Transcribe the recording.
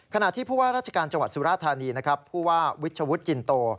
ขณะที่ผู้ว่าราชการจังหวัดสุราธานีผู้ว่าวิชชาวุทธ์จินโต